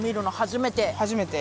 初めて？